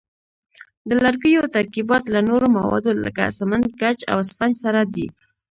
د لرګیو ترکیبات له نورو موادو لکه سمنټ، ګچ او اسفنج سره دي.